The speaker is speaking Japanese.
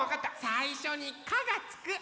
さいしょに「カ」がつくあれ！